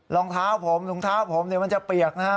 รองเท้าผมหนุ่งเท้าผมเนี่ยมันจะเปียกนะฮะ